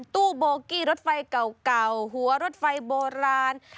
ตู้โบกี้รถไฟเก่าหัวรถไฟโบราณ